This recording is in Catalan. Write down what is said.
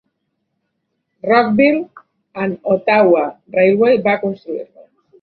Brockville and Ottawa Railway va construir-lo.